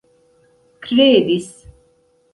kredis